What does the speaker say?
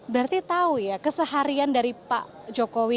berarti tahu ya keseharian dari pak jokowi